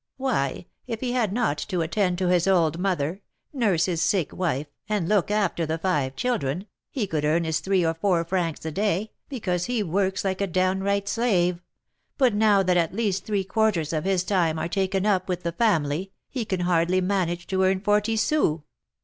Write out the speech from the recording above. "Why, if he had not to attend to his old mother, nurse his sick wife, and look after the five children, he could earn his three or four francs a day, because he works like a downright slave; but now that at least three quarters of his time are taken up with the family, he can hardly manage to earn forty sous."